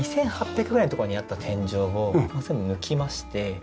２８００ぐらいの所にあった天井を抜きまして。